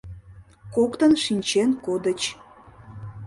Коктын шинчен кодыч.